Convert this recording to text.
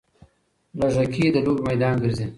لږکي د لوبې میدان ګرځي.